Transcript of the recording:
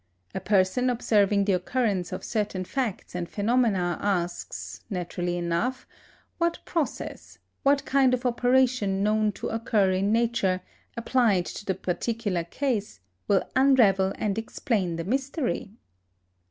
A person observing the occurrence of certain facts and phenomena asks, naturally enough, what process, what kind of operation known to occur in Nature applied to the particular case, will unravel and explain the mystery?